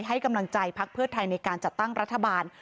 ให้กำลังใจพักเพื่อไทยในการจัดตั้งรัฐบาล